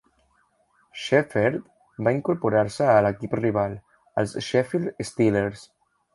Shepherd va incorporar-se a l'equip rival, els Sheffield Steelers.